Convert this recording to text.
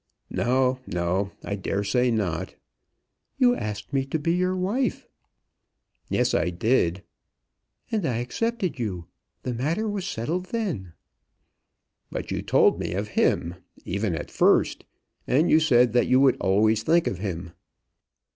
"No, no; I daresay not." "You asked me to be your wife." "Yes; I did." "And I accepted you. The matter was settled then." "But you told me of him, even at first. And you said that you would always think of him."